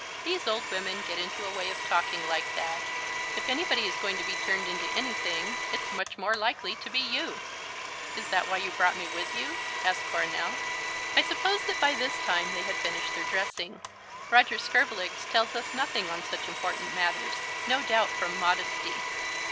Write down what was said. These old women get into a way of talking like that. If anybody is going to be turned into anything, it's much more likely to be you." "Is that why you brought me with you?" asked Coronel. I suppose that by this time they had finished their dressing. Roger Scurvilegs tells us nothing on such important matters; no doubt from modesty.